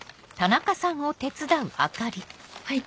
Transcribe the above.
はい。